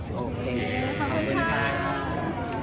ก็ไม่เกี่ยว